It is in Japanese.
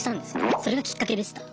それがきっかけでした。